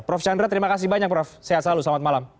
prof chandra terima kasih banyak prof sehat selalu selamat malam